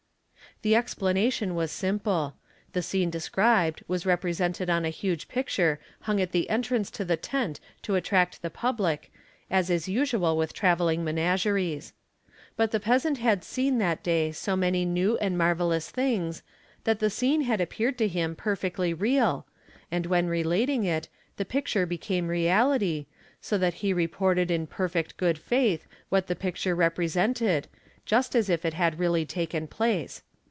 _ The explanation was simple; the scene described was represented on a _ huge picture hung at the entrance to the tent to attract the public as is : usual with travelling menageries. But the peasant had seen that day so many new and marvellous things, that the scene had appeared to him _ perfectly real, and when relating it the picture became reality, so that i he reported in perfect good faith what the picture represented just as if it had really taken place.